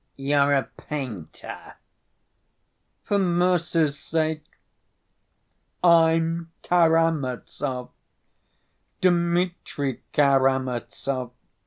"You're a painter!" "For mercy's sake! I'm Karamazov, Dmitri Karamazov.